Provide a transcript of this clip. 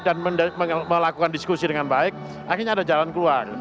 dan melakukan diskusi dengan baik akhirnya ada jalan keluar